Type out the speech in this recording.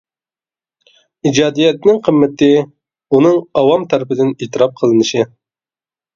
ئىجادىيەتنىڭ قىممىتى-ئۇنىڭ ئاۋام تەرىپىدىن ئېتىراپ قىلىنىشى.